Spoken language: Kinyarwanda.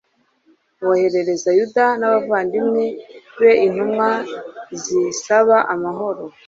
boherereza yuda n'abavandimwe be intumwa zisaba amahoro